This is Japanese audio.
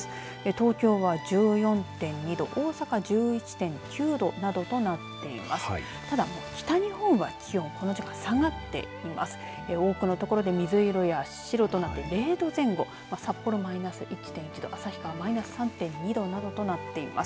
東京は１４．２度大阪１１．９度などとなっています。